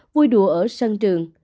vui đùa ở sân trường